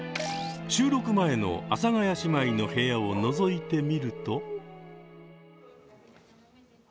収録前の阿佐ヶ谷姉妹の部屋をのぞいてみると。